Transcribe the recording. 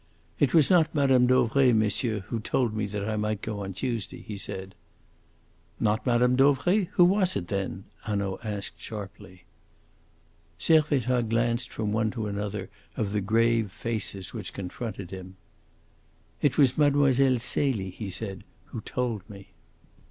"It was not Mme. Dauvray, monsieur, who told me that I might go on Tuesday," he said. "Not Mme. Dauvray! Who was it, then?" Hanaud asked sharply. Servettaz glanced from one to another of the grave faces which confronted him. "It was Mlle. Celie," he said, "who told me."